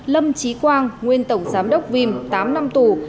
lâm trí quang nguyên tổng giám đốc vim tám năm tù